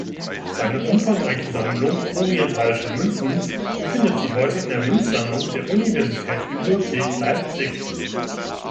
Seine umfangreiche Sammlung orientalischer Münzen befindet sich heute in der Münzsammlung der Universitätsbibliothek Leipzig.